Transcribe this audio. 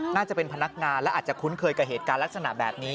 น่าจะเป็นพนักงานและอาจจะคุ้นเคยกับเหตุการณ์ลักษณะแบบนี้